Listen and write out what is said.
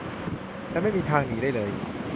แต่ไม่มีทางหนีได้เลย